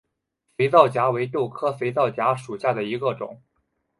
肥皂荚为豆科肥皂荚属下的一个种。